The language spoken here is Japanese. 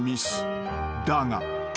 ［だが］